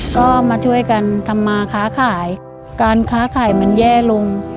ก็มาช่วยกันทำมาค้าขายการค้าขายมันแย่ลง